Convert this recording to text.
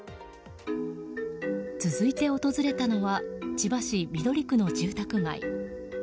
続いて訪れたのは千葉市緑区の住宅街。